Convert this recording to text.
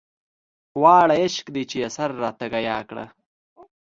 واړه عشق دی چې يې سر راته ګياه کړ